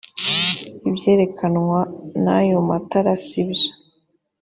ibyerekanwa nayo matara sibyo.